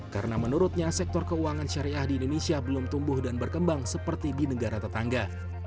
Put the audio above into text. karena menurutnya sektor keuangan syariah di indonesia belum tumbuh dan berkembang seperti di negara tetangga